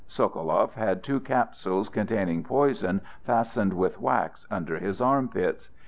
Sokoloff had two capsules containing poison, fastened with wax under his armpits.